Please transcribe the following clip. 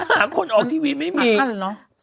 ของคนออกทีวีไม่มีนะเนอะ